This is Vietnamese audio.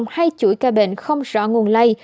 hay chuỗi ca bệnh không rõ nguồn lây